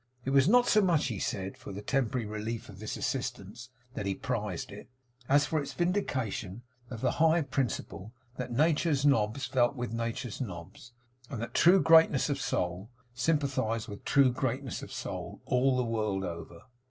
It was not so much, he said, for the temporary relief of this assistance that he prized it, as for its vindication of the high principle that Nature's Nobs felt with Nature's Nobs, and that true greatness of soul sympathized with true greatness of soul, all the world over.